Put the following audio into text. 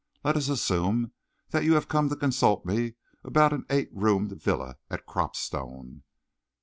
"Let us assume that you have come to consult me about an eight roomed villa at Cropstone."